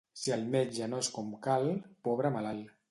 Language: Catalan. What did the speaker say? Si el metge no és com cal, pobre malalt.